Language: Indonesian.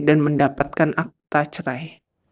dan mendapatkan akta cerai